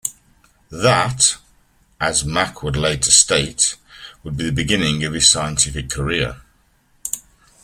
That, as Mak would later state, would be the beginning of his scientific career.